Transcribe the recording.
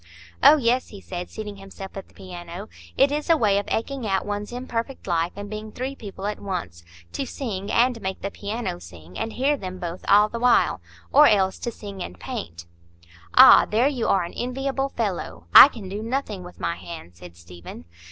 "Oh, yes," he said, seating himself at the piano, "it is a way of eking out one's imperfect life and being three people at once,—to sing and make the piano sing, and hear them both all the while,—or else to sing and paint." "Ah, there you are an enviable fellow. I can do nothing with my hands," said Stephen.